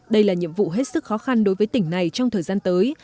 đây là nhiệm vụ hết sức khó khăn đối với tỉnh này trong thời gian tới